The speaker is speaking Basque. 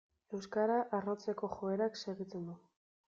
Euskara arrotzeko joerak segitzen du.